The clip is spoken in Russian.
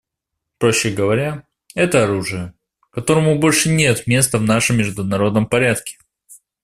Проще говоря, это оружие, которому больше нет места в нашем международном порядке.